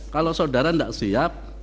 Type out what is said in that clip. kalau saudara enggak siap